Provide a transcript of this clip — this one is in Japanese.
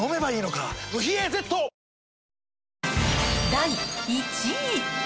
第１位。